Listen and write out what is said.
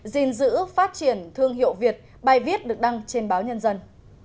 dình dữ phát triển thương hiệu việt bài viết được đăng trên báo nhân dân